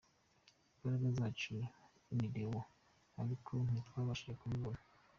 Imbaraga zacu ni Leo, ariko ntitwabashije kumubona.